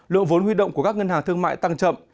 lượng vốn huy động của các ngân hàng thương mại tăng chậm